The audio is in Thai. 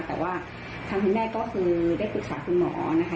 แต่ว่าทางคุณแม่ก็คือได้ปรึกษาคุณหมอนะคะ